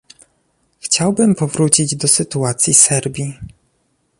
Chciałbym powrócić do sytuacji Serbii